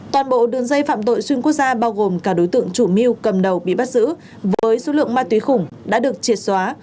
toàn bộ đường dây phạm tội xuyên quốc gia bao gồm cả đối tượng chủ mưu cầm đầu bị bắt giữ với số lượng ma túy khủng đã được triệt xóa